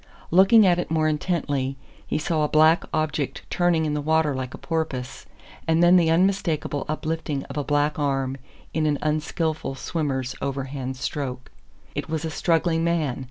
Looking at it more intently, he saw a black object turning in the water like a porpoise, and then the unmistakable uplifting of a black arm in an unskillful swimmer's overhand stroke. It was a struggling man.